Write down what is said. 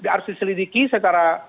harus diselidiki secara